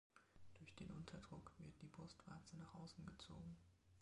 Durch den Unterdruck wird die Brustwarze nach außen gezogen.